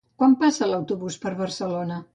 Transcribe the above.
Quan passa l'autobús per Barcelona?